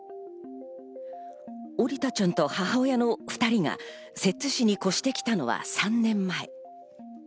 桜利斗ちゃんと母親の２人が摂津市に越してきたのは３年前。